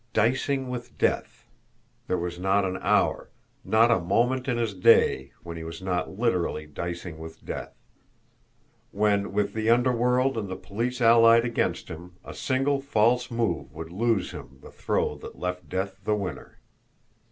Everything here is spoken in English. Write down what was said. "Dicing with Death" there was not an hour, not a moment in the day, when he was not literally dicing with death; when, with the underworld and the police allied against him, a single false move would lose him the throw that left death the winner!